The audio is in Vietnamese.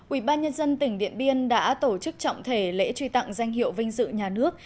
ủy ban nhân dân tỉnh điện biên đã tổ chức trọng thể lễ truy tặng danh hiệu vinh dự nhà nước